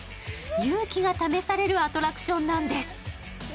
勇気が試されるアトラクションなんです。